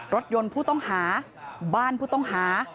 รถยนต์ผู้ต้องหาบ้านผู้ต้องหา